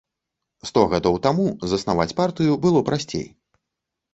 Сто гадоў таму заснаваць партыю было прасцей.